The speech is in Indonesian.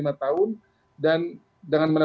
sekarang orang bisa membuat obat yang